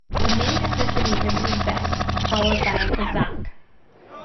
The main ethnicity is Uzbek, followed by Kazakh.